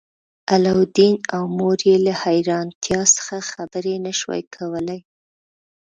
علاوالدین او مور یې له حیرانتیا څخه خبرې نشوای کولی.